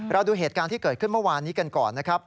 ดูเหตุการณ์ที่เกิดขึ้นเมื่อวานนี้กันก่อนนะครับ